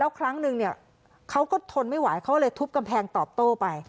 ครั้งนึงเนี่ยเขาก็ทนไม่ไหวเขาเลยทุบกำแพงตอบโต้ไป